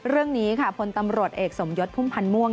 เรื่องนี้ค่ะพลตำรวจเอกสมยศพุ่มพันธ์ม่วง